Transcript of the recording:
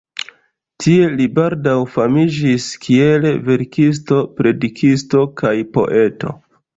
Tie li baldaŭ famiĝis kiel verkisto, predikisto kaj poeto.